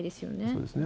そうですね。